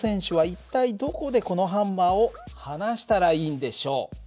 一体どこでこのハンマーを放したらいいんでしょう？